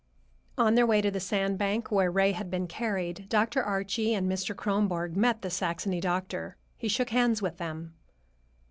On their way to the sand bank where Ray had been carried, Dr. Archie and Mr. Kronborg met the Saxony doctor. He shook hands with them.